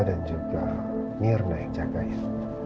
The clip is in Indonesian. dan juga mirna yang jagain